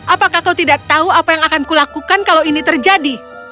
apakah kau tidak tahu apa yang akan kulakukan kalau ini terjadi